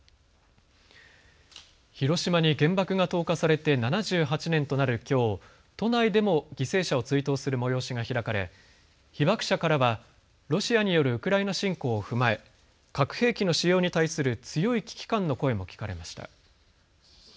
広島に原爆が投下されて７８年となるきょう、都内でも犠牲者を追悼する催しが開かれ被爆者からはロシアによるウクライナ侵攻を踏まえ核兵器の使用に対する強い危機感の声も聞かれました。